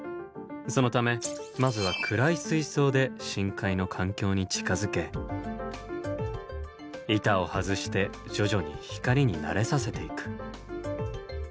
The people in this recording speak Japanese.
そのためまずは暗い水槽で深海の環境に近づけ板を外して徐々に光に慣れさせていく。